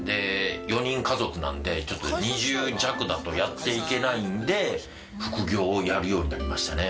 ４人家族なのでちょっと２０弱だとやっていけないので副業をやるようになりましたね。